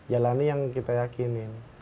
jalani yang kita yakinin